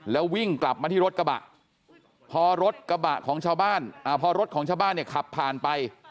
แล้ววิ่งกลับมาที่รถกระบะพอรถของชาวบ้านขับผ่านไป